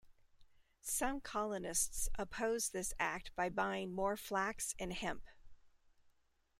Some colonists opposed this act by buying more flax and hemp.